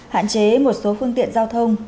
hạn chế một số phương tiện giao thông